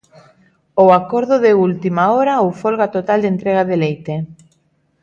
Ou acordo de última hora ou folga total de entrega de leite.